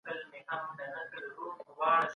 پښتو ژبه زموږ د خلکو ژبه ده.